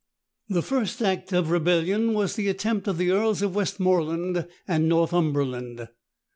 ] The first act of rebellion was the attempt of the earls of Westmoreland and Northumberland.